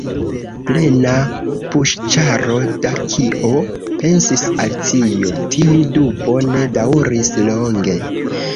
"Plena puŝĉaro da kio?" pensis Alicio. Tiu dubo ne daŭris longe.